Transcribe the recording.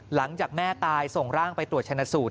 หลังจากแม่ตายส่งร่างไปตรวจชนะสูตร